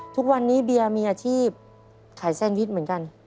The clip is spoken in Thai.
ทุกวันนี้เบียร์มีอาชีพขายแซนวิชเหมือนกัน